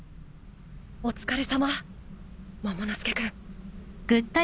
お疲れさまモモの助君。